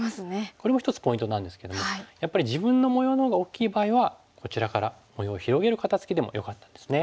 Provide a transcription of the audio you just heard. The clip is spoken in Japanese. これも一つポイントなんですけどもやっぱり自分の模様のほうが大きい場合はこちらから模様を広げる肩ツキでもよかったんですね。